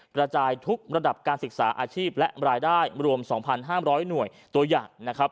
กระจายทุกระดับการศึกษาอาชีพและรายได้รวม๒๕๐๐หน่วยตัวอย่างนะครับ